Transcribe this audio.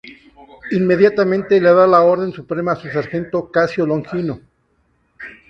Inmediatamente le da la orden suprema a su sargento Casio Longino.